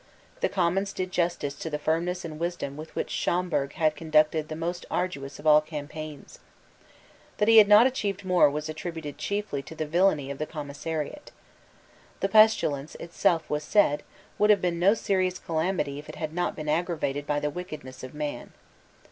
The Commons did justice to the firmness and wisdom with which Schomberg had conducted the most arduous of all campaigns. That he had not achieved more was attributed chiefly to the villany of the Commissariat. The pestilence itself it was said, would have been no serious calamity if it had not been aggravated by the wickedness of man.